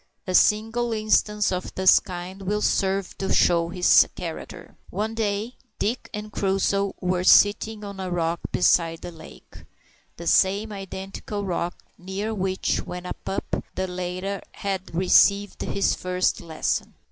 A single instance of this kind will serve to show his character. One day Dick and Crusoe were sitting on a rock beside the lake the same identical rock near which, when a pup, the latter had received his first lesson.